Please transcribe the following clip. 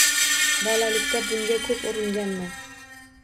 Bolalikda bunga ko’p uringanman.